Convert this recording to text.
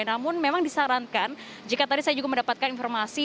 namun memang disarankan jika tadi saya juga mendapatkan informasi